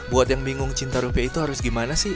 buat yang bingung cinta rupiah itu harus gimana sih